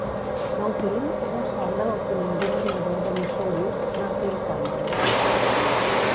Dunklin era el sogre del tinent governador de Missouri, Franklin Cannon.